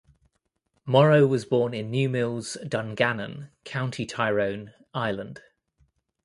Morrow was born in Newmills, Dungannon, County Tyrone, Ireland.